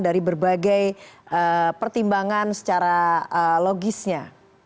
dari berbagai pertimbangan secara logisnya